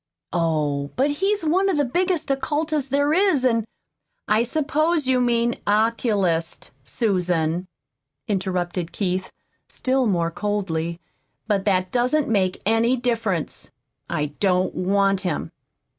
"Oh, but he's one of the biggest occultists there is, an' " "I suppose you mean 'oculist,' Susan," interrupted Keith, still more coldly; "but that doesn't make any difference. I don't want him."